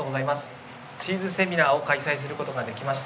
チーズセミナーを開催する事ができまして。